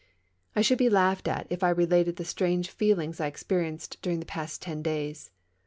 I should be laughed at if I related the strange feel ings I experienced during the past ten days.